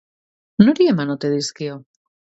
Nori eman ote dizkio?